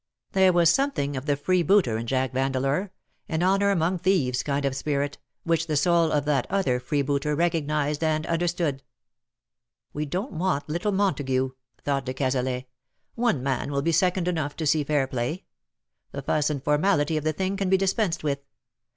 There was something of the free booter in Jack Vandeleur — an honour among thieves kind of spirit — which the soul of that other freebooter recognized and understood. ''We don't want little Montagu,'' thought de Cazalet. " One man will be second enough to see fair play. The fuss and formality of the thing can be dispensed with.